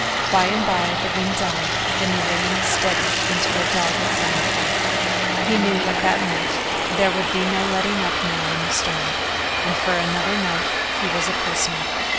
By and by the wind died and the rain steadied into a dogged downpour. He knew what that meant there would be no letting up now in the storm, and for another night he was a prisoner.